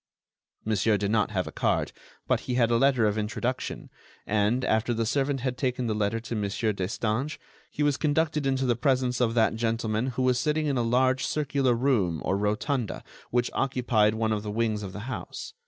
Monsieur did not have a card, but he had a letter of introduction and, after the servant had taken the letter to Mon. Destange, he was conducted into the presence of that gentleman who was sitting in a large circular room or rotunda which occupied one of the wings of the house.